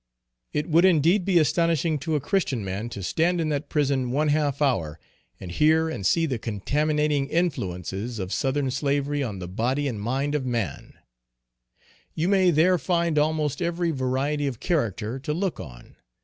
It would indeed be astonishing to a Christian man to stand in that prison one half hour and hear and see the contaminating influences of Southern slavery on the body and mind of man you may there find almost every variety of character to look on.